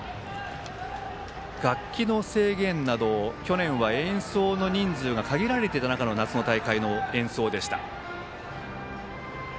楽器の制限など去年は演奏の人数が限られていた中での夏の大会の演奏でした。